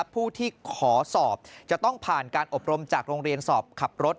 ผู้ที่ขอสอบจะต้องผ่านการอบรมจากโรงเรียนสอบขับรถ